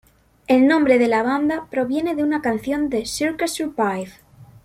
El nombre de la banda proviene de una canción de Circa Survive.